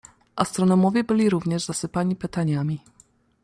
"Astronomowie byli również zasypani pytaniami."